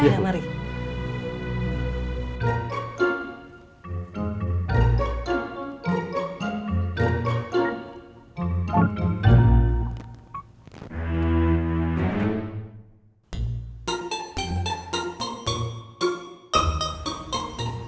siapa ya tupang saya juga